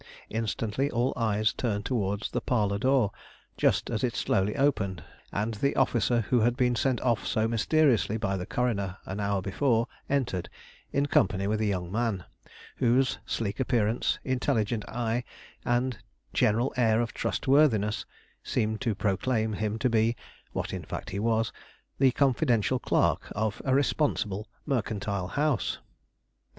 Instantly all eyes turned toward the parlor door, just as it slowly opened, and the officer who had been sent off so mysteriously by the coroner an hour before entered, in company with a young man, whose sleek appearance, intelligent eye, and general air of trustworthiness, seemed to proclaim him to be, what in fact he was, the confidential clerk of a responsible mercantile house.